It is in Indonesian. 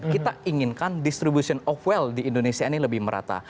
kita inginkan distribution of wealt di indonesia ini lebih merata